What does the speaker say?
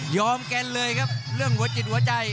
แกนเลยครับเรื่องหัวจิตหัวใจ